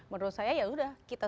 menurut saya ya sudah